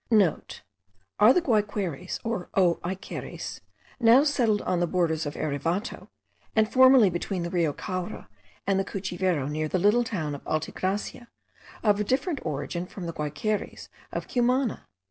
*(* Are the Guaiqueries, or O aikeries, now settled on the borders of the Erevato, and formerly between the Rio Caura and the Cuchivero near the little town of Alta Gracia, of a different origin from the Guaikeries of Cumana?